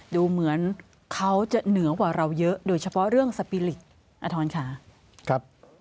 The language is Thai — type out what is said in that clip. ดูเหมือนเขาจะเหนือกว่าเราเยอะโดยเฉพาะเรื่องสปีริตอาทรค่ะ